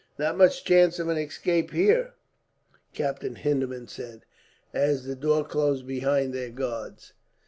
"Not much chance of an escape here," Captain Hindeman said, as the door closed behind their guards.